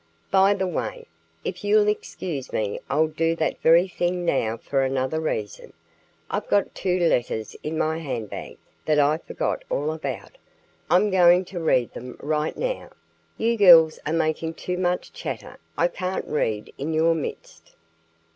By the way, if you'll excuse me I'll do that very thing now for another reason. I've got two letters in my hand bag that I forgot all about. I'm going to read them right now. You girls are making too much chatter. I can't read in your midst."